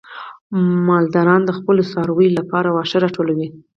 مالداران د خپلو څارویو لپاره واښه راټولوي.